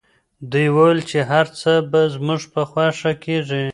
دوی وویل چي هر څه به زموږ په خوښه کیږي.